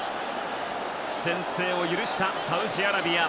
先制を許したサウジアラビア。